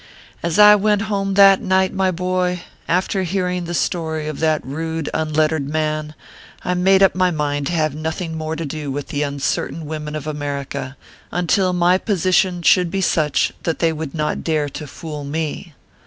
As I went home that night, my boy, after hearing the story of that rude, unlettered man, I made up my mind to have nothing more to do with the uncer tain women of America ; until my position should be such that they would not dare to "fool" me.